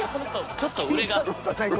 ちょっと売れが。